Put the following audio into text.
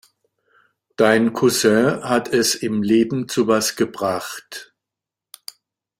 Dein Cousin hat es im Leben zu was gebracht.